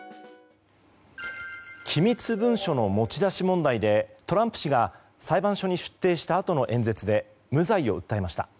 機密文書の持ち出し問題でトランプ氏が裁判所に出廷したあとの演説で無罪を訴えました。